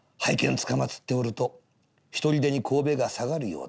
つかまつっておるとひとりでに頭が下がるようだ。